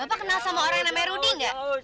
bapak kenal sama orang yang namanya rudy nggak